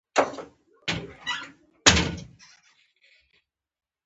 احمد دولت لري.